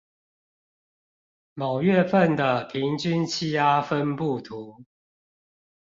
某月份的平均氣壓分佈圖